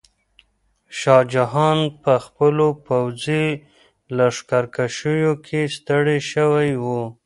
شاه جهان په خپلو پوځي لښکرکشیو کې ستړی شوی و.